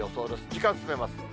時間進めます。